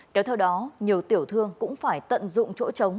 kéo theo đó nhiều tiểu thương cũng phải tận dụng chỗ trống